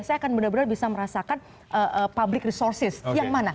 saya akan benar benar bisa merasakan public resources yang mana